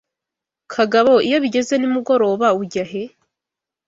Kagabo iyo bigeze nimugoroba Ujya he?